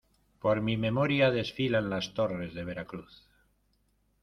por mi memoria desfilan las torres de Veracruz